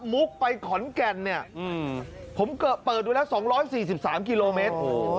ไปขอนแก่นเนี่ยผมเปิดดูแล้ว๒๔๓กิโลเมตร